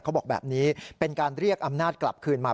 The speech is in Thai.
เขาบอกแบบนี้เป็นการเรียกอำนาจกลับคืนมา